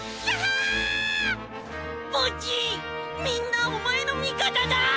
みんなお前の味方だ！